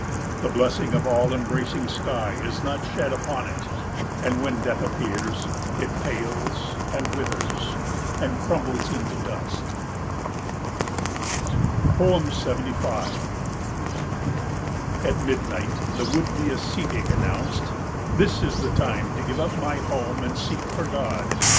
The blessing of all embracing sky is not shed upon it. And when death appears, it pales and withers and crumbles into dust. 75 At midnight the would be ascetic announced: "This is the time to give up my home and seek for God.